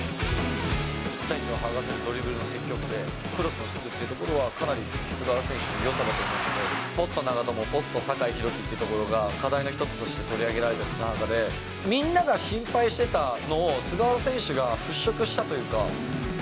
１対１を剥がすドリブルの積極性、クロスの質っていうところはかなり菅原選手のよさだと思うので、ポスト長友、ポスト酒井宏樹っていうところが、課題の一つとして取り上げられる中で、みんなが心配してたのを、菅原選手が払拭したというか。